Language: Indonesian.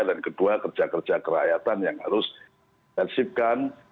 dan kedua kerja kerja kerahayatan yang harus eksipkan